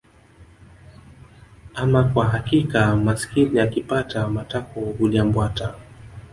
Ama kwa hakika maskini akipata matako hulia mbwata